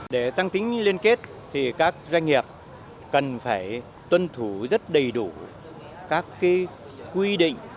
để tăng tính liên kết thì các doanh nghiệp cần phải tuân thủ rất đầy đủ các quy định